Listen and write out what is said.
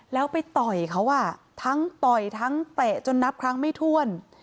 แล้วไปต่อยเขาอ่ะทั้งต่อยทั้งเตะจนนับครั้งไม่ถ้วน